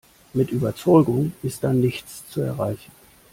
Mit Überzeugung ist da nichts zu erreichen.